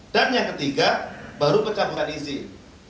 yang ketiga baru pencabutan izin